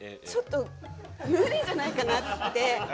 ちょっと無理じゃないかなって。